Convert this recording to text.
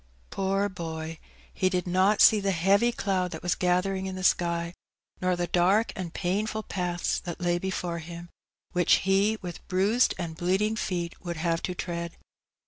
Poor boy ! he did not see the heavy cloud that was gathering in the sky, nor the dark and painful paths that lay before him, which he, with bruised and bleeding feet, would have to tread.